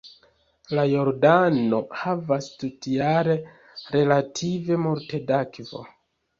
La Jordano havas tutjare relative multe da akvo.